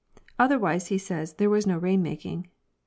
Otherwise he says there was no rain making.